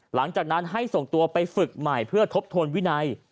หลังจากนั้นให้ส่งตัวไปฝึกใหม่เพื่อทบทวนวินัย